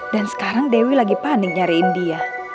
dan sekarang dewi lagi panik nyariin dia